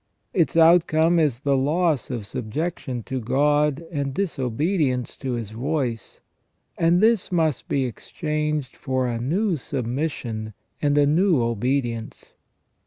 Its outcome is the loss of subjection to God and disobedience to His voice, and this must be exchanged for a new submission and a new obedience.